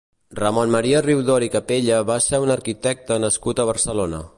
Ramon Maria Riudor i Capella va ser un arquitecte nascut a Barcelona.